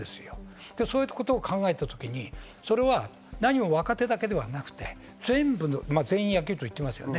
そういうことを考えた時に何も若手だけではなくて、全員野球と今、言ってますね。